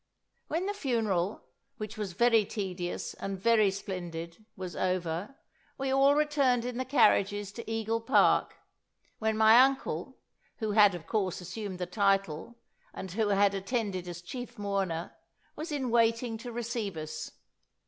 When the funeral, which was very tedious and very splendid, was over, we all returned in the carriages to Eagle Park, when my uncle, who had of course assumed the title, and who had attended as chief mourner, was in waiting to receive us.